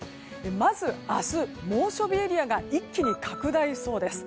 まず、明日は猛暑日エリアが一気に拡大しそうです。